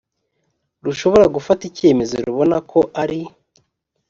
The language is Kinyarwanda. rushobora gufata icyemezo rubona ko ari